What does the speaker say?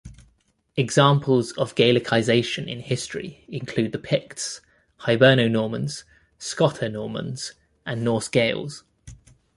Examples of Gaelicisation in history include the Picts, Hiberno-Normans, Scoto-Normans and Norse-Gaels.